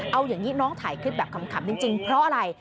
เอาอย่างนี้น้องถ่ายคลิปแบบขำจริงเพราะอะไร